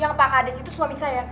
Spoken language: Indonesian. yang pak hades itu suami saya